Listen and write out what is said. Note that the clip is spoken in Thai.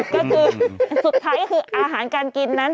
ก็คือสุดท้ายคืออาหารการกินนั้น